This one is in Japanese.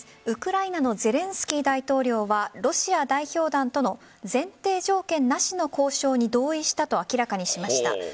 ウクライナのゼレンスキー大統領はロシア代表団との前提条件なしの交渉に同意したと明らかにしました。